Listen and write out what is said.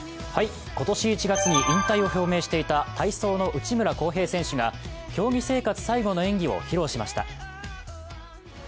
今年１月に引退を表明していた体操の内村航平選手が競技生活最後の演技を披露しました。